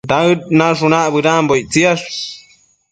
Daëd nashunac bëdanbo ictsiash